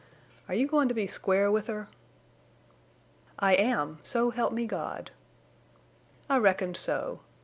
Are you goin' to be square with her?" "I am—so help me God!" "I reckoned so.